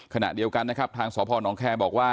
ขณะเดียวกันนะครับทางสพนแคร์บอกว่า